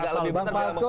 agak lebih benar